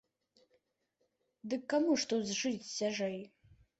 Дык каму ж тут жыць цяжэй.